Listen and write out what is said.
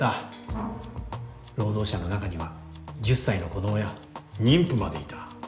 労働者の中には１０歳の子供や妊婦までいた。